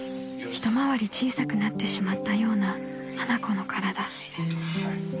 ［一回り小さくなってしまったような花子の体］